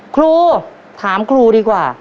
ครูถามครูดีกว่า